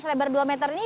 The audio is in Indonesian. selebar dua meter ini